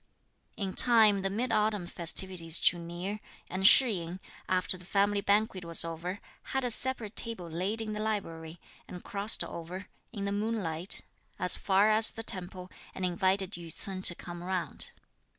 In time the mid autumn festivities drew near; and Shih yin, after the family banquet was over, had a separate table laid in the library, and crossed over, in the moonlight, as far as the temple and invited Yü ts'un to come round.